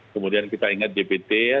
kemudian kita ingat dpt ya